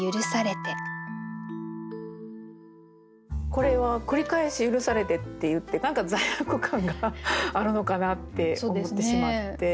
これは「くりかえし赦されて」って言って何か罪悪感があるのかなって思ってしまって。